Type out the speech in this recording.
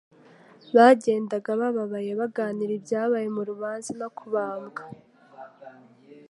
Bagendaga bababaye baganira ibyabaye mu rubanza no kubambwa.